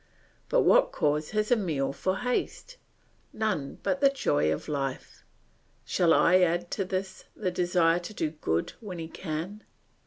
But what cause has Emile for haste? None but the joy of life. Shall I add to this the desire to do good when he can?